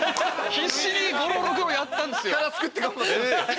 必死に五朗六朗やったんですよ。